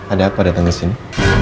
ada apa datang kesini